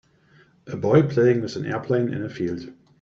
A boy playing with an airplane in a field.